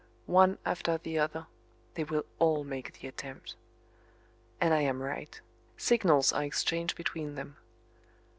One after the other they will all make the attempt. And I am right. Signals are exchanged between them.